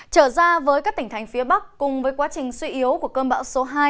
trở ra với các tỉnh thành phía bắc cùng với quá trình suy yếu của cơn bão số hai